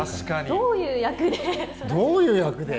どういう役で？